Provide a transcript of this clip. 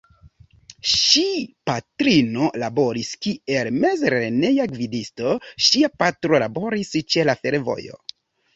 Ŝi patrino laboris kiel mezlerneja gvidisto, ŝia patro laboris ĉe la fervojo.